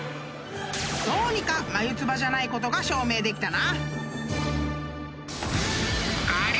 ［どうにか眉唾じゃないことが証明できたな］